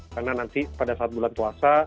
karena nanti pada saat bulan puasa